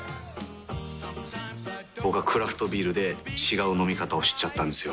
僕はクラフトビールで違う飲み方を知っちゃったんですよ。